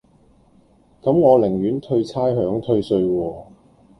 咁我寧願退差餉退稅喎